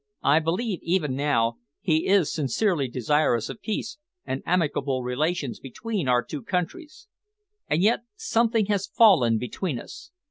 I believe, even now, he is sincerely desirous of peace and amicable relations between our two countries, and yet something has fallen between us.